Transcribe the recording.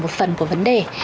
một phần của vấn đề